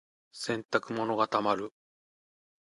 洗濯物が溜まる。